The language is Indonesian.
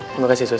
terima kasih sos